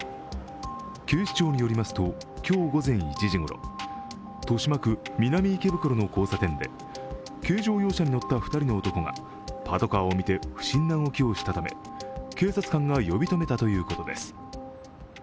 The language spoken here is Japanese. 警視庁によりますと、今日午前１時ごろ、豊島区南池袋の交差点で軽乗用車に乗った２人の男がパトカーを見て不審な動きをしたため、警察官が呼び止めたということです。